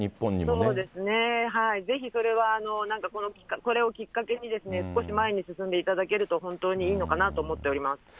そうですね、ぜひそれはなんかこれをきっかけに、少し前に進んでいただけると、本当にいいのかなと思っております。